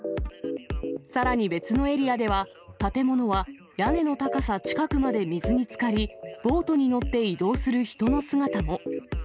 さらに別のエリアでは、建物は屋根の高さ近くまで水につかり、ボートに乗って移動する人の姿も。